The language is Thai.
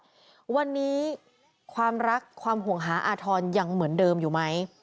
วันนี้ความรักความห่วงหาอาธรณ์ยังเหมือนเดิมอยู่ไหม